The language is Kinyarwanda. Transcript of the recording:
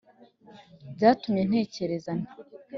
byatumye ntekereza nti